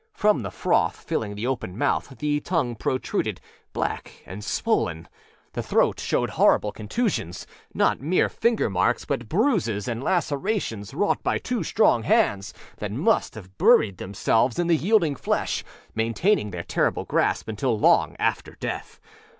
From the froth filling the open mouth the tongue protruded, black and swollen. The throat showed horrible contusions; not mere finger marks, but bruises and lacerations wrought by two strong hands that must have buried themselves in the yielding flesh, maintaining their terrible grasp until long after death.